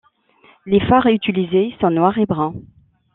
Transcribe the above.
Les fards utilisés sont noirs et bruns.